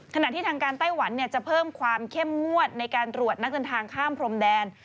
ขณะที่ทางการไต้หวันจะเพิ่มความเข้มงวดในการตรวจนักเดินทางข้ามพรมแดน